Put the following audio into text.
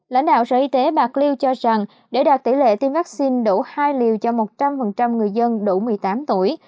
lãnh đạo sở y tế bạc liêu cho rằng để đạt tỷ lệ tiêm vaccine đủ hai liều cho một trăm linh người dân đủ một mươi tám tuổi